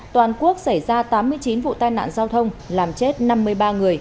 toàn quốc xảy ra tám mươi chín vụ tai nạn giao thông làm chết năm mươi ba người